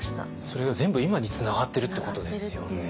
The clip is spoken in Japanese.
それが全部今につながってるっていうことですよね。